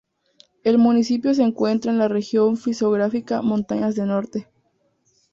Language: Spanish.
El municipio se encuentra en la región fisiográfica Montañas de Norte.